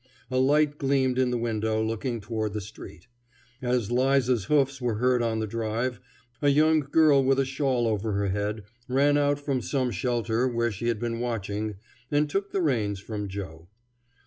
A light gleamed in the window looking toward the street. As 'Liza's hoofs were heard on the drive, a young girl with a shawl over her head ran out from some shelter where she had been watching, and took the reins from Joe.